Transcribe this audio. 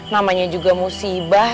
namanya juga musibah